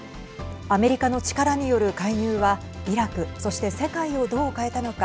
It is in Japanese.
アメリカの力による介入はイラク、そして世界をどう変えたのか。